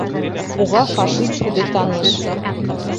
Уга «фашист» һүҙе таныш.